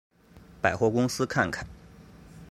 百货公司看看